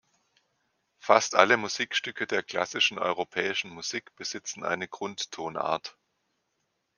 Fast alle Musikstücke der klassischen europäischen Musik besitzen eine Grundtonart.